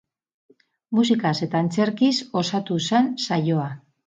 Musikaz eta antzerkiz osatu zen saioa.